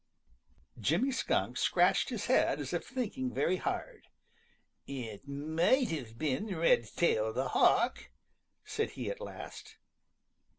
Jimmy Skunk scratched his head as if thinking very hard. "It might have been Redtail the Hawk," said he at last.